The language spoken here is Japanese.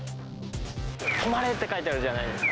止まれって書いてあるじゃないですか。